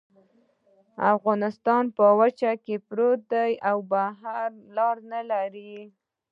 افغانستان په وچه کې پروت دی او بحري لارې نلري